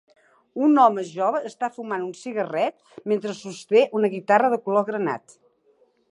Un home jove està fumant un cigarret mentre sosté una guitarra de color granat.